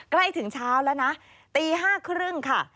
ใกล้ถึงเช้าแล้วนะตี๕๓๐ค่ะ